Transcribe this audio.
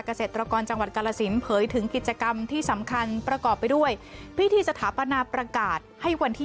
เกษตรกรจังหวัดกาลสินเผยถึงกิจกรรมที่สำคัญประกอบไปด้วยพิธีสถาปนาประกาศให้วันที่